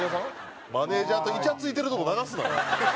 マネジャーといちゃついてるとこ流すなよお前。